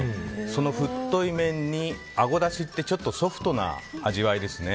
その太い麺に、アゴだしってちょっとソフトな味わいですね